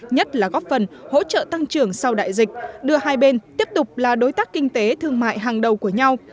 nhất là góp phần hỗ trợ tăng trưởng sau đại dịch đưa hai bên tiếp tục là đối tác kinh tế thương mại hàng đầu của nhau